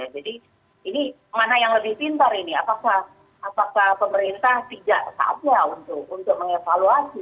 jadi ini mana yang lebih pintar ini apakah pemerintah tidak saatnya untuk mengevaluasi